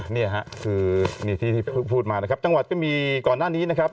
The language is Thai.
นี่ฮะคือนี่ที่พูดมานะครับจังหวัดก็มีก่อนหน้านี้นะครับ